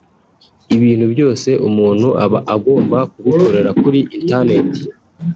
ibintu byose umuntu aba agomba kubikorera kuri internet